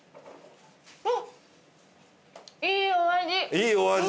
いいお味？